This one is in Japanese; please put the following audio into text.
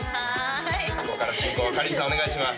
ここから進行はかりんさんお願いします